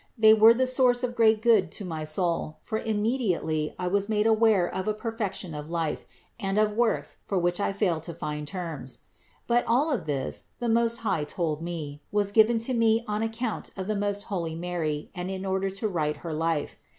They were the source of great good to my soul, for immediately I was made aware of a perfection of life, and of works for which I fail to find terms. But all this, the Most High told me, was given to me on account of the most holy Mary and in order to write her life.